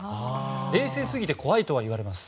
冷静すぎて怖いとは言われます。